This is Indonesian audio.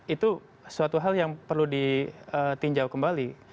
itu suatu hal yang perlu ditinjau kembali